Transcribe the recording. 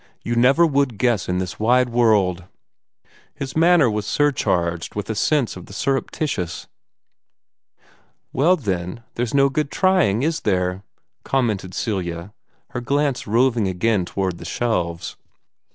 You never would guess in this wide world!" His manner was surcharged with a sense of the surreptitious. "Well, then, there's no good trying, IS there?" commented Celia, her glance roving again toward the shelves.